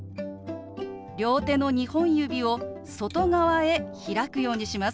両手の２本指を外側へ開くようにします。